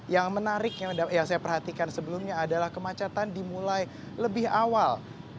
yang menarik yang saya perhatikan sebelumnya adalah kemacetan dimulai lebih awal